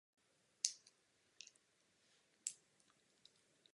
Po ukončení lyžařské kariéry vystudovala Griffith University a pracuje jako právnička.